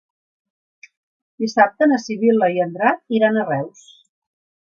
Dissabte na Sibil·la i en Drac iran a Reus.